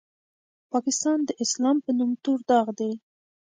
پاکستان د اسلام په نوم تور داغ دی.